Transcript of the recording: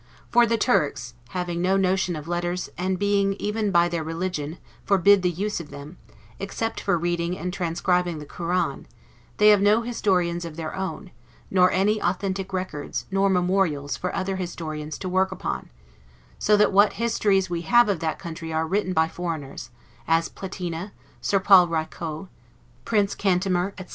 For the Turks, having no notion of letters and being, even by their religion, forbid the use of them, except for reading and transcribing the Koran, they have no historians of their own, nor any authentic records nor memorials for other historians to work upon; so that what histories we have of that country are written by foreigners; as Platina, Sir Paul Rycaut, Prince Cantimer, etc.